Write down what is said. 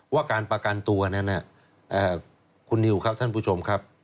ว่าการประกันตัวนั้นคุณนิวครับท่านผู้ชมครับ